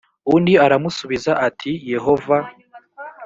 undi aramusubiza ati yehova